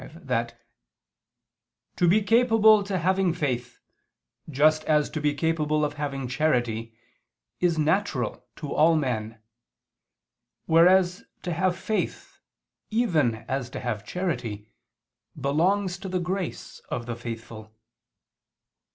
v) that "to be capable to having faith, just as to be capable of having charity, is natural to all men; whereas to have faith, even as to have charity, belongs to the grace of the faithful."